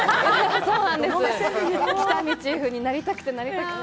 そうなんです、喜多見チーフになりたくて、なりたくて。